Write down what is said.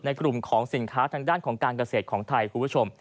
ในกลุ่มของสินค้าทางด้านของการเกษตรของไทย